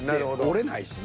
折れないしね。